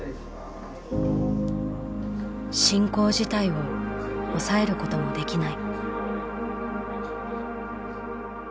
「進行自体を抑えることもできない」。